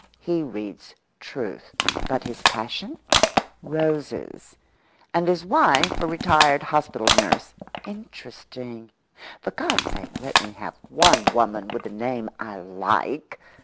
He reads Truth. But his passion? Roses—and his wife a retired hospital nurse—interesting—for God's sake let me have one woman with a name I like!